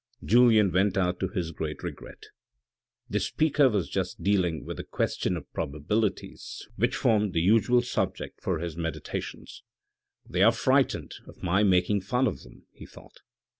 Julien went out to his great regret. The speaker was just dealing with the question of probabilities which formed the usual subject for his meditations. " They are frightened of my making fun of them," he thought.